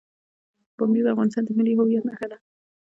پامیر د افغانستان د ملي هویت نښه ده.